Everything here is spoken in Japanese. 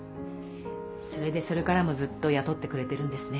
それでそれからもずっと雇ってくれてるんですね。